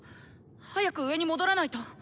早く上に戻らないと！